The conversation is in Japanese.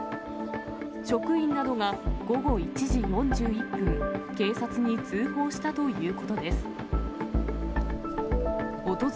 職員などが午後１時４１分、警察に通報したということです。